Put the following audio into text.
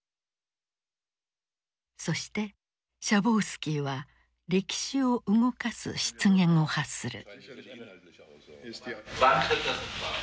そしてシャボウスキーは歴史を動かす失言を発する。